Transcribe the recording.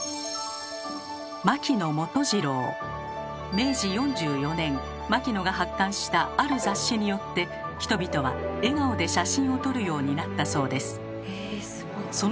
明治４４年牧野が発刊したある雑誌によって人々は笑顔で写真を撮るようになったそうです。